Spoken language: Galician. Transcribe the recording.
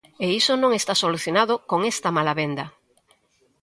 E iso non está solucionado con esta mala venda.